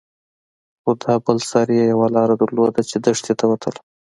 خو دا بل سر يې يوه لاره درلوده چې دښتې ته وتله.